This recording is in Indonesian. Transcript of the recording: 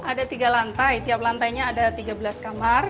ada tiga lantai tiap lantainya ada tiga belas kamar